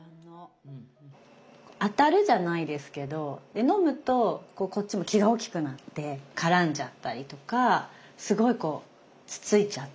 あたるじゃないですけど飲むとこっちも気が大きくなってからんじゃったりとかすごいこうつついちゃったりとかをして。